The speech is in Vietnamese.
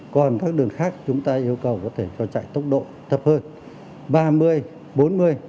còn các đường khác chúng ta yêu cầu có thể cho chạy tốc độ thấp hơn